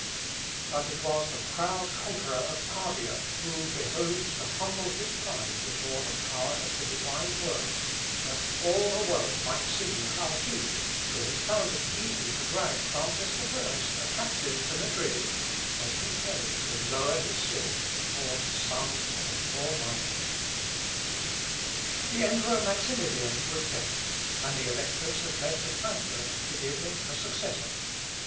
But it was the proud conqueror of Pavia who behoved to humble his pride before the power of the Divine Word, that all the world might see how he, who had found it easy to drag Francis I a captive to Madrid, was compelled to lower his sword before the son of a poor miner. [Sidenote: COMPETITORS FOR THE IMPERIAL CROWN.] The Emperor Maximilian was dead, and the electors had met at Frankfort to give him a successor.